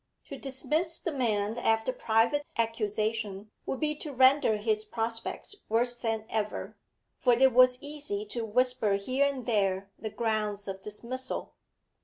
To dismiss the man after private accusation would be to render his prospects worse than ever, for it was easy to whisper here and there the grounds of dismissal.